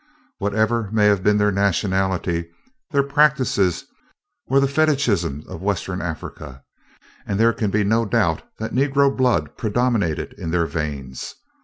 Whatever may have been their nationality, their practices were the fetichism of western Africa, and there can be no doubt that negro blood predominated in their veins.